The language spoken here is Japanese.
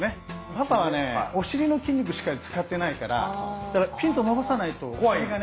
パパはねお尻の筋肉しっかり使ってないからピンッと伸ばさないとお尻がね。